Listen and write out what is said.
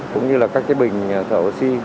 cũng như là các cái bình thở oxy